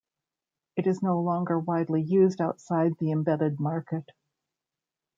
It is no longer widely used outside the embedded market.